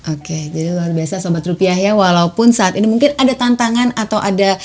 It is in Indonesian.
oke jadi luar biasa sahabat rupiah ya walaupun saat ini mungkin ada tantangan atau ada